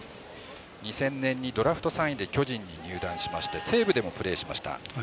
２０００年にドラフト３位で巨人に入りまして西武でもプレーしました。